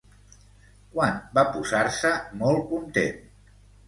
Quan va posar-se molt content?